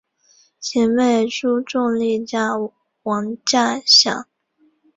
其妹朱仲丽嫁王稼祥。